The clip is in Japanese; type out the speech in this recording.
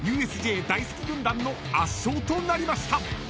ＵＳＪ大好き軍団の圧勝となりました］